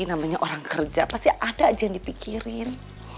namanya orang kerja pasti ada aja yang dipikirin